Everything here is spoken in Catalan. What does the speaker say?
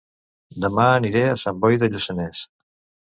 Dema aniré a Sant Boi de Lluçanès